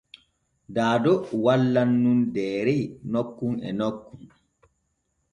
Daado wallan nun deere nokkun e nokkun.